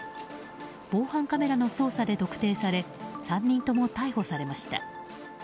防犯カメラの捜査で特定され３人とも逮捕されました。